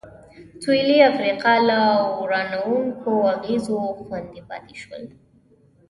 سوېلي افریقا له ورانوونکو اغېزو خوندي پاتې شول.